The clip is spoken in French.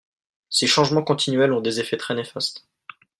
Ces changements continuels ont des effets très néfastes.